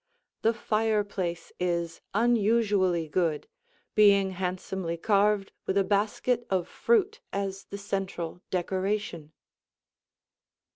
The fireplace is unusually good, being handsomely carved with a basket of fruit as the central decoration.